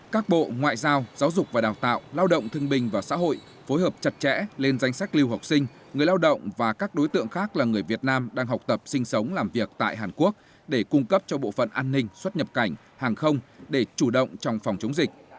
các bộ ngoại giao giáo dục và đào tạo lao động thương bình và xã hội phối hợp chặt chẽ lên danh sách lưu học sinh người lao động và các đối tượng khác là người việt nam đang học tập sinh sống làm việc tại hàn quốc để cung cấp cho bộ phận an ninh xuất nhập cảnh hàng không để chủ động trong phòng chống dịch